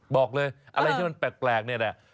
บอกเลยอะไรที่มันแปลกเนี่ยนะ